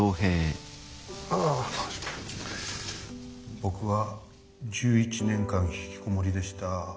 僕は１１年間ひきこもりでした。